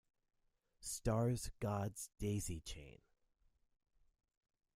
Stars God's daisy chain.